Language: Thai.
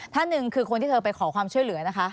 ท่านหนึ่งคือคนที่เธอไปขอความช่วยเหลือนะคะ